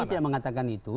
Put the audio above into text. kami tidak mengatakan itu